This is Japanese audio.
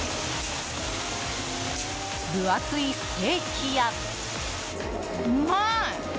分厚いステーキや。